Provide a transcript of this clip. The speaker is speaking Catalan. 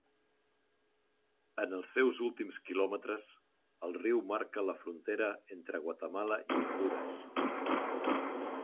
En els seus últims quilòmetres el riu marca la frontera entre Guatemala i Hondures.